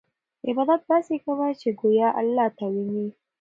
عبادت داسې کوه چې ګویا اللهﷻ تا ویني.